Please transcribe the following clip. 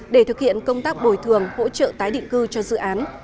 để thực hiện công tác bồi thường hỗ trợ tái định cư cho dự án